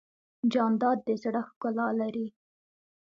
جانداد د زړه ښکلا لري.